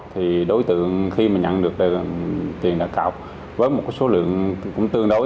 thì đối tượng khi mà nhận được tiền đạt cậu với một số lượng cũng tương đối